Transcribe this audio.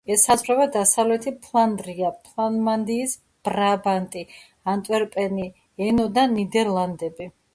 ესაზღვრება დასავლეთი ფლანდრია, ფლამანდიის ბრაბანტი, ანტვერპენი, ენო და ნიდერლანდები.